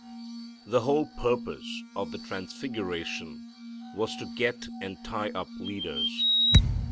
The whole purpose of the transfiguration was to get and tie up leaders.